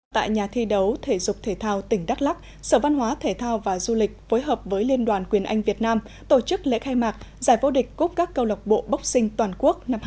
tại nhà thi đấu thể dục thể thao tỉnh đắk lắc sở văn hóa thể thao và du lịch phối hợp với liên đoàn quyền anh việt nam tổ chức lễ khai mạc giải vô địch cúc các câu lọc bộ boxing toàn quốc năm hai nghìn hai mươi bốn